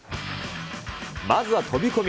まずは飛び込み。